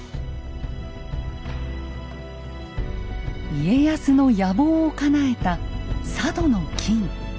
家康の野望をかなえた佐渡の金。